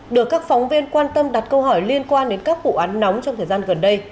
được các phóng viên quan tâm đặt câu hỏi liên quan đến các vụ án nóng trong thời gian gần đây